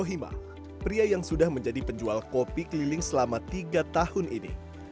hima pria yang sudah menjadi penjual kopi keliling selama tiga tahun ini